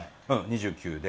２９で。